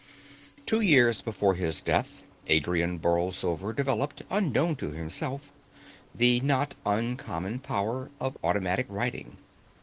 Two years before his death Adrian Borlsover developed, unknown to himself, the not uncommon power of automatic writing.